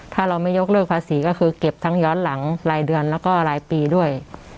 ถ้าเราไม่ยกเลิกภาษีก็คือเก็บทั้งย้อนหลังรายเดือนแล้วก็รายปีด้วย